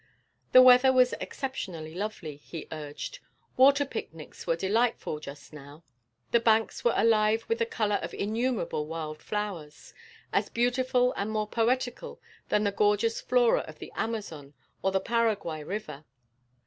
The weather was exceptionally lovely, he urged. Water picnics were delightful just now the banks were alive with the colour of innumerable wild flowers, as beautiful and more poetical than the gorgeous flora of the Amazon or the Paraguay river.